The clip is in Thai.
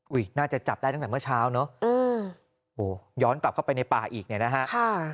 น่าจะจับได้ตั้งแต่เมื่อเช้าเนอะโหย้อนกลับเข้าไปในป่าอีกเนี่ยนะฮะค่ะ